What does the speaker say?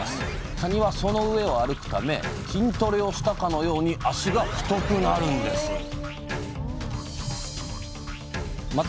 かにはその上を歩くため筋トレをしたかのように脚が太くなるんですまた